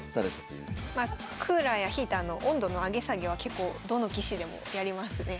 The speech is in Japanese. まあクーラーやヒーターの温度の上げ下げは結構どの棋士でもやりますね。